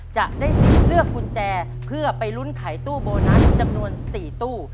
จะได้สิทธิ์เลือกกุญแจเพื่อไปลุ้นไขตู้โบนัสจำนวน๔ตู้